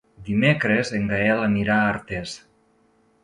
Dimecres en Gaël anirà a Artés.